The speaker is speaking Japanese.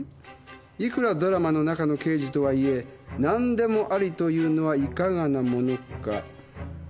いくらドラマの中の刑事とはいえなんでもありというのはいかがなものか」